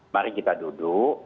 mari kita duduk